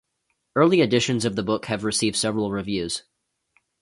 Early editions of the book have received several reviews.